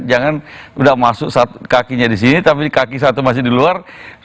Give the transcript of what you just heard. jangan udah masuk kakinya di sini tapi di kaki satu masih di luar